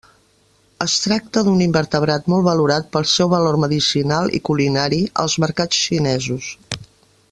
Es tracta d'un invertebrat molt valorat pel seu valor medicinal i culinari als mercats xinesos.